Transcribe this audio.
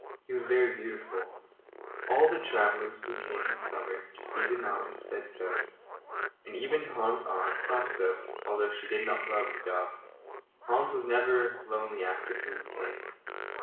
He was very beautiful. All the travellers who came in the summer to see the mountains said so, and even Hans's aunt thought so, although she did not love the dog. Hans was never lonely after Prince came.